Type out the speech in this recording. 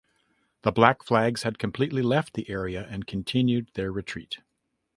The Black Flags had completely left the area and continued their retreat.